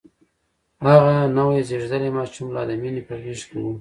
هغه نوی زيږدلی ماشوم لا د مينې په غېږ کې و.